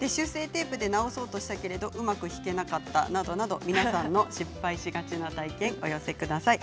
テープで直そうとしたけれどうまく引けなかったなどなど皆さんの失敗しがちな体験をお寄せください。